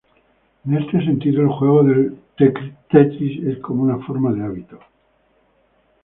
En este sentido, el juego del Tetris es como una forma de hábito.